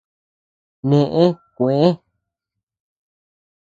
Neʼe kuëe.